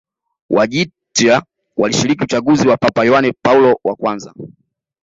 Wojtyla alishiriki uchaguzi wa Papa Yohane Paulo wa kwanza